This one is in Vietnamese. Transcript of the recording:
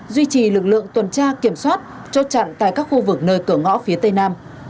duy trì lực lượng tuần tra kiểm soát chốt chặn tại các khu vực nơi cửa ngõ phía tây nam